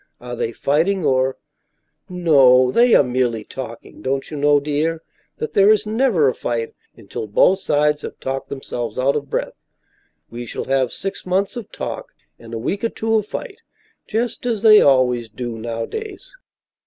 Are they fighting or " "No; they are merely talking. Don't you know, dear, that there is never a fight until both sides have talked themselves out of breath? We shall have six months of talk and a week or two of fight, just as they always do nowadays."